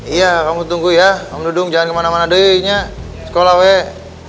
iya kamu tunggu ya om dudung jangan kemana mana deh sekolah weh